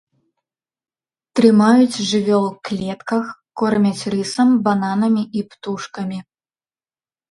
Трымаюць жывёл клетках, кормяць рысам, бананамі і птушкамі.